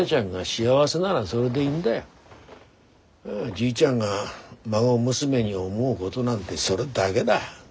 じいちゃんが孫娘に思うごどなんてそれだげだ。